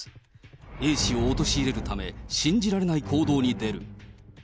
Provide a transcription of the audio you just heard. Ａ氏を陥れるため、信じられない行動に出る。